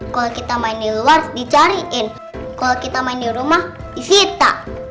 kalau kita main di lors dicariin kalau kita main di rumah sita